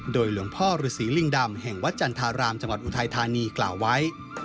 โดยหลวงพ่อฤษีลิงดำแห่งวัดจันทรารามจังหวัดอุทัยธานีกล่าวไว้